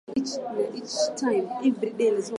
viazi lishe mashineni